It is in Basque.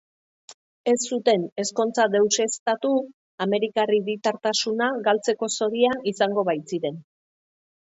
Ez zuten ezkontza deuseztatu, amerikar hiritartasuna galtzeko zorian izango baitziren.